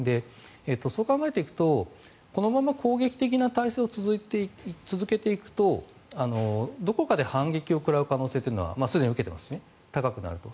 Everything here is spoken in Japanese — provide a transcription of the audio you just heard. そう考えていくとこのまま攻撃的な体制を続けていくとどこかで反撃を食らう可能性はすでに受けていますしね高くなると。